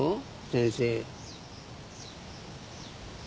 先生。